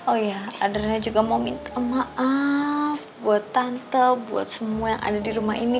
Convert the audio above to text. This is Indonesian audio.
oh ya adrena juga mau minta maaf buat tante buat semua yang ada di rumah ini